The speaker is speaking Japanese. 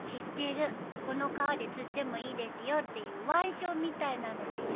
この川で釣ってもいいですよっていう腕章みたいなのでしょ？